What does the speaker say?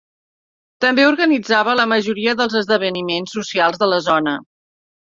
També organitzava la majoria dels esdeveniments socials de la zona.